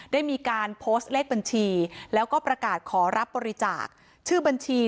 ได้มีการโพสต์เลขบัญชีแล้วก็ประกาศขอรับบริจาคชื่อบัญชี